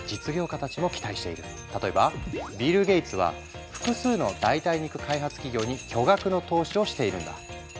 例えばビル・ゲイツは複数の代替肉開発企業に巨額の投資をしているんだ。